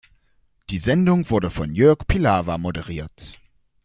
Die Sendung wurde von Jörg Pilawa moderiert.